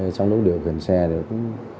trong lúc điều khiển xe thì cũng